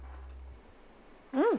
うん！